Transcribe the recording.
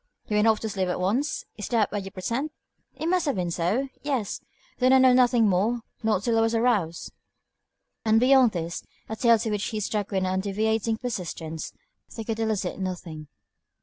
"You went off to sleep at once? Is that what you pretend?" "It must have been so. Yes. Then I know nothing more, not till I was aroused." And beyond this, a tale to which he stuck with undeviating persistence, they could elicit nothing.